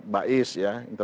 dan kita punya bin ya